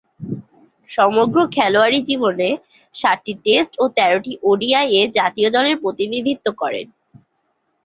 সমগ্র খেলোয়াড়ী জীবনে সাতটি টেস্ট ও তেরোটি ওডিআইয়ে জাতীয় দলের প্রতিনিধিত্ব করেন তিনি।